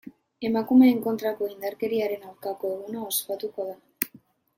Emakumeen kontrako indarkeriaren aurkako eguna ospatuko da.